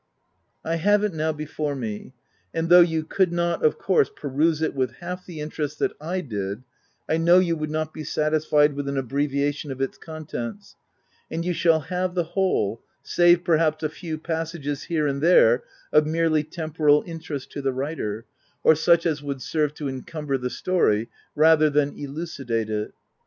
I have it now before me ; and though you could not of course, peruse it with half the N 2 268 THE TENANT interest that I did, I know you would not be satisfied with an abbreviation of its contents and you shall have the whole, save, perhaps, a few pasages here and there of merely temporal interest to the writer, or such as would serve to encumber the story rather than elucidate it.